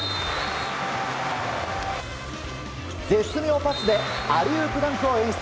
絶妙なパスでアリウープダンクを演出。